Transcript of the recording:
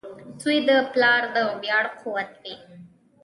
• زوی د پلار د ویاړ قوت وي.